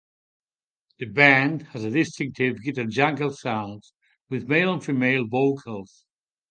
The band had a distinctive guitar-jangle sound with male and female vocals.